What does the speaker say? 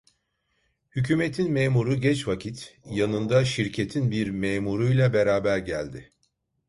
Hükümetin memuru geç vakit, yanında şirketin bir memuruyla beraber geldi.